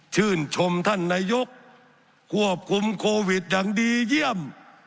ชื่นชมท่านนายกควบคุมโควิดอย่างดีเยี่ยม